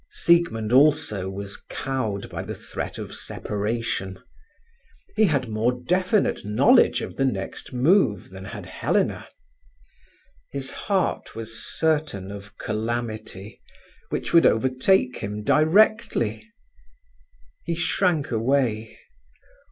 Siegmund also was cowed by the threat of separation. He had more definite knowledge of the next move than had Helena. His heart was certain of calamity, which would overtake him directly. He shrank away.